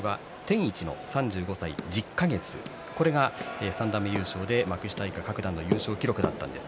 従来は、天一の３５歳１０か月これが三段目優勝で、幕下以下各段の優勝記録でした。